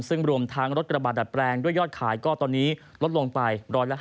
ซึ่งรวมทั้งรถกระบาดดัดแปลงด้วยยอดขายก็ตอนนี้ลดลงไป๑๕